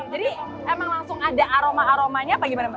jadi emang langsung ada aroma aromanya apa gimana mbak